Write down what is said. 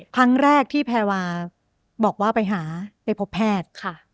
ครั้งแรกที่แพรวาบอกว่าไปหาไปพบแพทย์